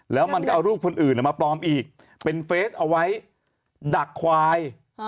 แล้วมันก็เอารูปคนอื่นมาปลอมอีกเป็นเฟสเอาไว้ดักควาย